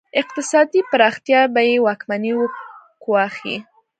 اقتصادي پراختیا به یې واکمني وګواښي.